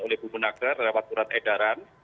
oleh bu munagra rewat turat edaran